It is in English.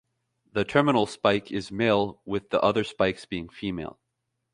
The terminal spike is male with the other spikes being female.